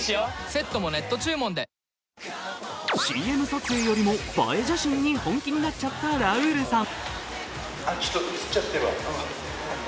ＣＭ撮影よりも映え写真に本気になっちゃったラウールさん。